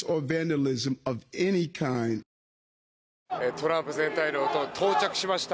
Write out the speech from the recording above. トランプ前大統領が到着しました。